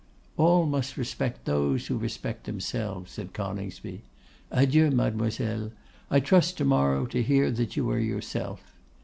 'All must respect those who respect themselves,' said Coningsby. 'Adieu, Mademoiselle; I trust to morrow to hear that you are yourself.